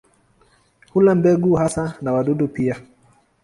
Hula mbegu hasa na wadudu pia.